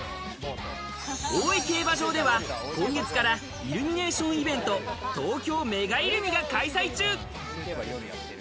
大井競馬場では今月からイルミネーションイベント・東京メガイルミが開催中。